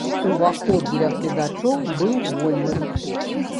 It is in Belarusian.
Уваход для гледачоў быў вольным.